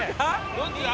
どっちだ？